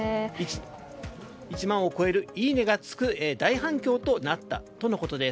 １万を超えるいいねがつく大反響となったとのことです。